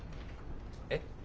えっ？